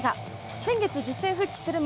先月、実戦復帰するも